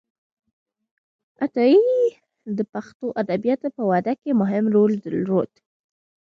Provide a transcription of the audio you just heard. عطایي د پښتو ادبياتو په وده کې مهم رول درلود.